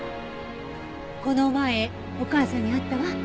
この前お母さんに会ったわ。